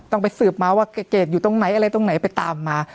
ต้องไปสืบมาว่าเกรดอยู่ตรงไหนอะไรตรงไหนไปตามมา